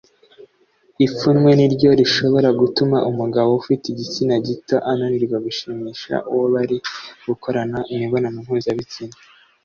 Ipfunwe ni ryo rishobora gutuma umugabo ufite igitsina gito ananirwa gushimisha uwo bari gukorana imibonano mpuzabitsina